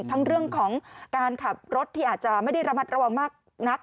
ทั้งเรื่องของการขับรถที่อาจจะไม่ได้ระมัดระวังมากนัก